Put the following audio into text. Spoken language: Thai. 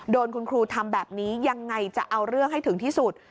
โดนคุณครูทำแบบนี้ยังไงจะเอาเรื่องให้ถึงที่สุด